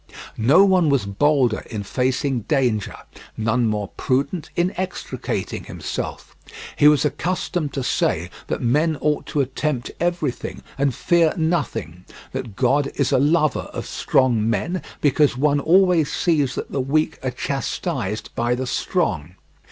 No one was bolder in facing danger, none more prudent in extricating himself. He was accustomed to say that men ought to attempt everything and fear nothing; that God is a lover of strong men, because one always sees that the weak are chastised by the strong.